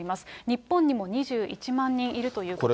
日本にも２１万人いるということです。